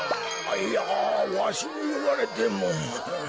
いやわしにいわれても。